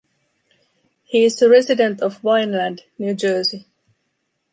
He is a resident of Vineland, New Jersey.